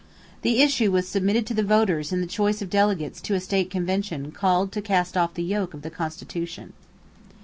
The issue was submitted to the voters in the choice of delegates to a state convention called to cast off the yoke of the Constitution.